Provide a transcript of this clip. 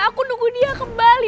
aku nunggu dia kembali